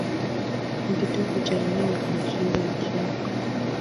Ni kitovu cha eneo la mashamba ya chai.